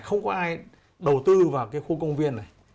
không có ai đầu tư vào cái khu công viên này